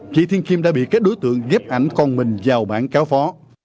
chị thiên kim đã bị các đối tượng dếp ảnh con mình vào bản cáo phó